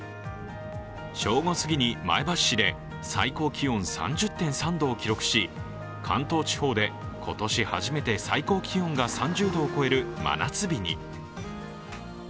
正午過ぎに前橋市で最高気温３０．３度を記録し関東地方で今年初めて最高気温が３０度を超える真夏日に。